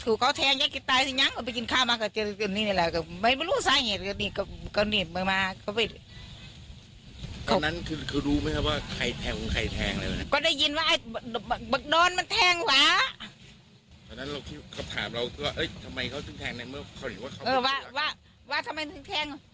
ตอนนั้นเราคิดก็ถามเราก็เอ๊ะทำไมเขาต้องแทงในเมื่อเขาหรือว่าเขาว่าว่าทำไมต้องแทง